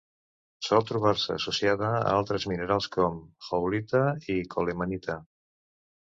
Sol trobar-se associada a altres minerals com: howlita i colemanita.